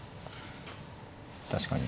確かに。